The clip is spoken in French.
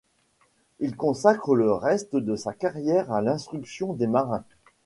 Il consacre le reste de sa carrière à l'instruction des marins.